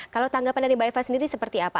kalau tanggapan dari mbak eva sendiri seperti apa